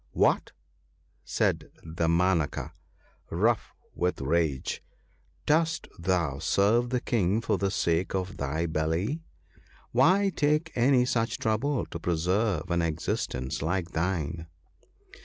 1 W r hat !' said Damanaka, rough with rage, * dost thou serve the King for the sake of thy belly ? Why take any such trouble to preserve an existence like thine